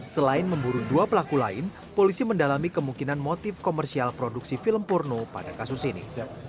selain memburu dua pelaku lain polisi mendalami kemungkinan motif komersial produksi film porno pada kasus ini